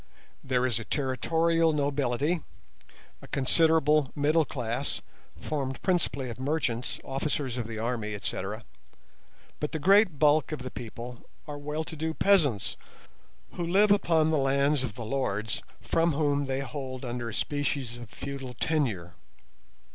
There is a territorial nobility, a considerable middle class, formed principally of merchants, officers of the army, etc.; but the great bulk of the people are well to do peasants who live upon the lands of the lords, from whom they hold under a species of feudal tenure.